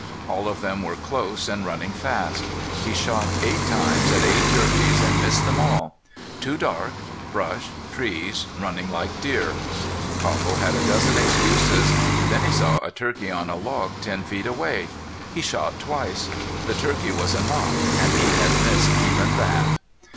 All of them were close, and running fast. He shot eight times at eight turkeys and missed them all. Too dark brush trees running like deer. Copple had a dozen excuses. Then he saw a turkey on a log ten feet away. He shot twice. The turkey was a knot, and he had missed even that.